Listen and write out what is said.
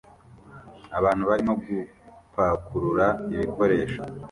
Abantu barimo gupakurura ibikoresho